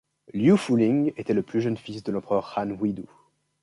Liu Fuling était le plus jeune fils de l'empereur Han Wudi.